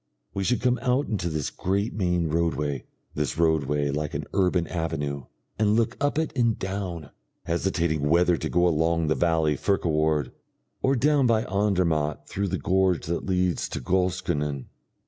We should come out into this great main roadway this roadway like an urban avenue and look up it and down, hesitating whether to go along the valley Furka ward, or down by Andermatt through the gorge that leads to Goschenen....